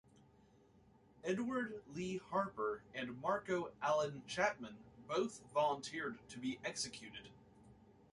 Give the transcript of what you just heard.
Edward Lee Harper and Marco Allen Chapman both volunteered to be executed.